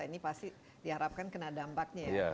ini pasti diharapkan kena dampaknya ya